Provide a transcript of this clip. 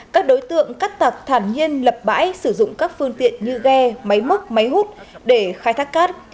các đối tượng cắt tặc thản nhiên lập bãi sử dụng các phương tiện như ghe máy móc máy hút để khai thác cát